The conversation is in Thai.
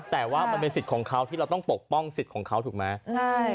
แต่ว่ามันเป็นสิทธิ์ของเขาที่เราต้องปกป้องสิทธิ์ของเขาถูกไหมใช่